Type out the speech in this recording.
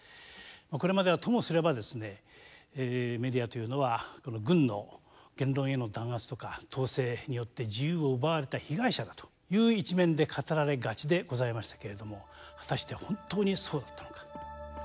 これまではともすればメディアというのは軍の言論への弾圧とか統制によって自由を奪われた被害者だという一面で語られがちでございましたけれども果たして本当にそうだったのか。